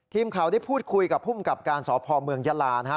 ทีมข่าวได้พูดคุยกับภูมิกับการสพเมืองยาลานะฮะ